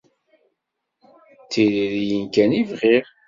D tiririyin kan i bɣiɣ.